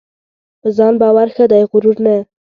په ځان باور ښه دی ؛غرور نه .